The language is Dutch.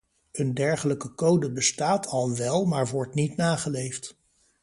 Een dergelijke code bestaat al wel maar wordt niet nageleefd.